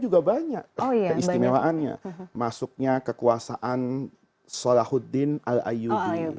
gak masalah ya